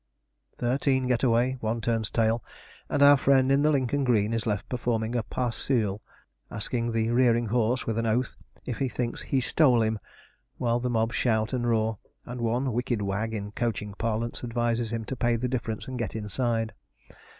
Thirteen get away, one turns tail, and our friend in the Lincoln green is left performing a pas seul, asking the rearing horse, with an oath, if he thinks 'he stole him'? while the mob shout and roar; and one wicked wag, in coaching parlance, advises him to pay the difference, and get inside.